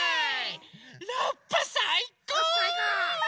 ラッパさいこう！